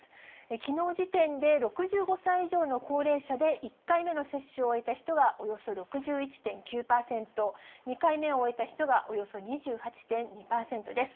きのう時点で６５歳以上の高齢者で、１回目の接種を終えた人はおよそ６１．９％、２回目を終えた人はおよそ２８．２％です。